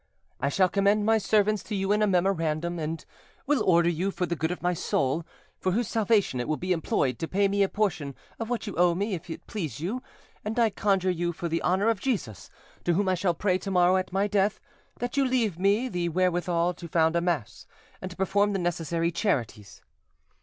"I shall commend my servants to you in a memorandum, and will order you, for the good of my soul, for whose salvation it will be employed, to pay me a portion of what you owe me, if it please you, and I conjure you for the honour of Jesus, to whom I shall pray to morrow at my death, that you leave me the wherewithal to found a mass and to perform the necessary charities.